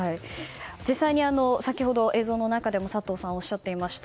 実際に先ほど映像の中でも佐藤さん、おっしゃっていました。